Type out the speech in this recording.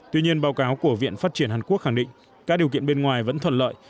tuy nhiên báo cáo của viện phát triển hàn quốc khẳng định các điều kiện bên ngoài vẫn thuận lợi